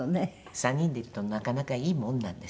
３人で行くとなかなかいいもんなんです。